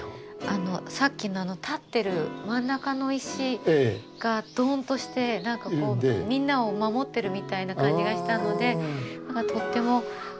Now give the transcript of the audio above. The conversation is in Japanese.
さっきの立ってる真ん中の石がドンとして何かみんなを守ってるみたいな感じがしたのでとってもいいなと思って。